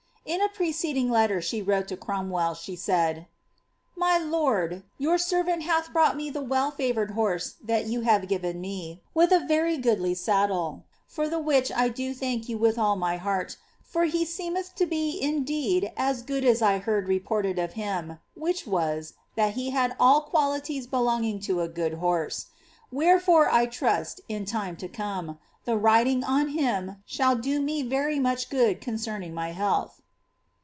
I m preceding letter she wrote to Cromwell, she said :— kfy lord, your servant hath brought me the well favoured horse that you t given me, with a very goodly saildlc, for the which I do thauk you with ly heart, for he seeineih to be indeed as good as I heard reported of him, ;h was, that he had all qualities bolonj^ing to a good horse. Wherefore I , in time to come, the riding on him shall do mo very much good cuncern ny health."